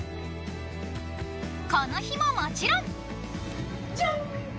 この日ももちろん。じゃん！